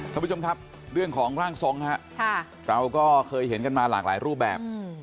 ท่านผู้ชมครับเรื่องของร่างทรงฮะเราก็เคยเห็นกันมาหลากหลายรูปแบบ